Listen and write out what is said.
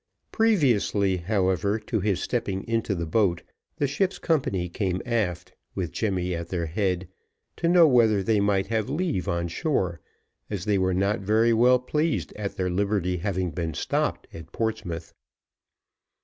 Previously, however, to his stepping into the boat, the ship's company came aft, with Jemmy at their head, to know whether they might have leave on shore, as they were not very well pleased at their liberty having been stopped at Portsmouth.